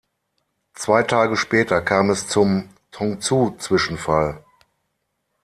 Zwei Tage später kam es zum Tongzhou-Zwischenfall.